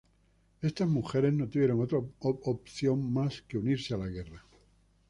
Estas mujeres no tuvieron otra opción más que unirse a la guerra.